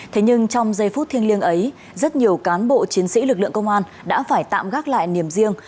thế nhưng trong giây phút thiêng liêng ấy rất nhiều cán bộ chiến sĩ lực lượng công an đã phải tạm gác lại niềm riêng